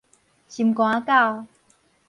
心肝仔狗